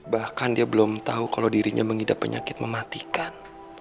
bahkan dia belum tahu kalau dirinya mengidap penyakit mematikan